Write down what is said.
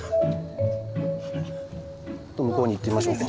向こうに行ってみましょうか。